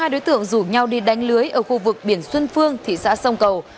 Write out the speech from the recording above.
ba đối tượng rủ nhau đi đánh lưới ở khu vực biển xuân phương thị xã sông cầu